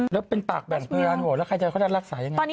แล้วเป็นปากแบ่งเพลงแล้วใครจะรักษายังไง